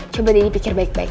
coba daddy pikir baik baik